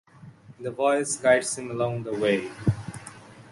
The voice guides him along the way.